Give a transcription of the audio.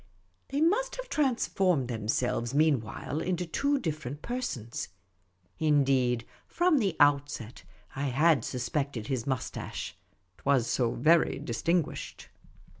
They must have transformed themselves mean while into two different persons. Indeed, from the outset, I had suspected his moustache — 't was so very distinguished.